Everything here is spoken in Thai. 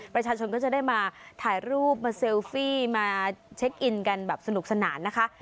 ประชาชนก็จะได้มาถ่ายรูปมาเซลฟี่มาเช็คอินกันแบบสนุกสนานนะคะ